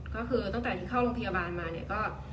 ก็คือตั้งแต่ที่เข้าโรงพยาบาลมาก็